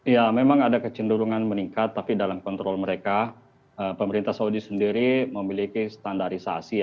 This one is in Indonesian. ya memang ada kecenderungan meningkat tapi dalam kontrol mereka pemerintah saudi sendiri memiliki standarisasi